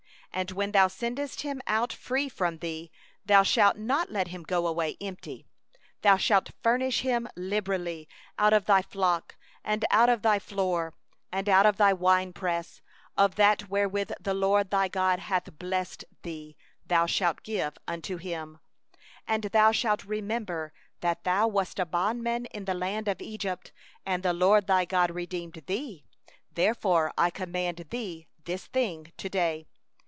13And when thou lettest him go free from thee, thou shalt not let him go empty; 14thou shalt furnish him liberally out of thy flock, and out of thy threshing floor, and out of thy winepress; of that wherewith the LORD thy God hath blessed thee thou shalt give unto him. 15And thou shalt remember that thou wast a bondman in the land of Egypt, and the LORD thy God redeemed thee; therefore I command thee this thing to day.